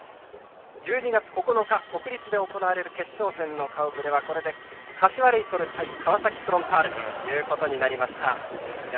１２月９日、国立で行われる決勝の顔ぶれは柏レイソル対川崎フロンターレとなりました。